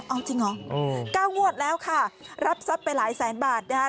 เอาจริงเหรอ๙งวดแล้วค่ะรับทรัพย์ไปหลายแสนบาทนะคะ